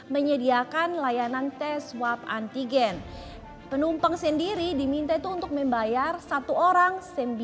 menyediakan layanan tes swab antigen penumpang sendiri diminta itu untuk membayar satu orang